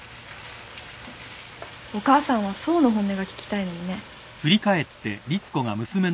お母さんは想の本音が聞きたいのにね。